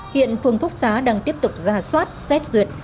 hiện phường phúc xá đang tiếp tục ra soát xét duyệt